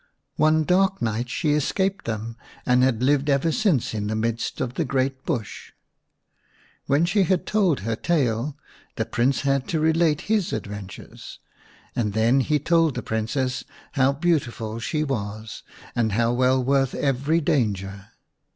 One dark night she escaped them and had lived ever since in the midst of the great busL^/Wlien she had told her tale, the Prince had to relate his adventures, and then he told the Princess how beautiful she was, and how well worth every danger.